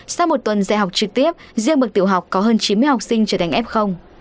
sau một tuần dạy học trực tiếp riêng bậc tiểu học có hơn chín mươi học sinh trở thành f